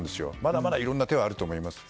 まだまだいろんな手はあると思います。